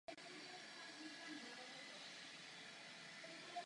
Na scénáři k tomuto filmu spolupracoval před svou smrtí Douglas Adams.